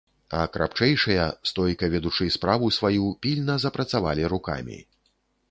А крапчэйшыя, стойка ведучы справу сваю, пільна запрацавалі рукамі.